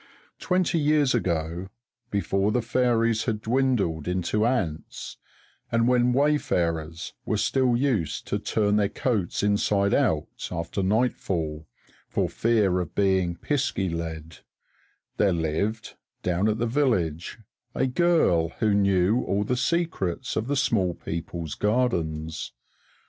Twenty years ago before the fairies had dwindled into ants, and when wayfarers were still used to turn their coats inside out, after nightfall, for fear of being "pisky led" there lived, down at the village, a girl who knew all the secrets of the Small People's Gardens.